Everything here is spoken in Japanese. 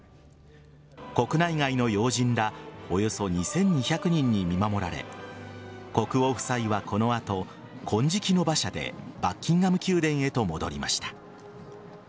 国内外の要人らおよそ２２００人に見守られ国王夫妻はこの後、金色の馬車でバッキンガム宮殿へと戻りました。